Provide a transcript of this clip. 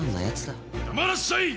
黙らっしゃい！